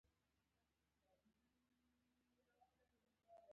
• د کنفوسیوس انګېرنه د هغه د محض اصالت وه.